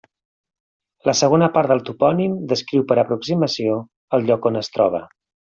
La segona part del topònim descriu per aproximació el lloc on es troba.